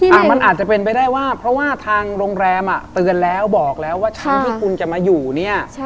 อาจจะเป็นไปได้ว่าเพราะว่าทางโรงแรมอ่ะเตือนแล้วบอกแล้วว่าช่วงที่คุณจะมาอยู่เนี่ย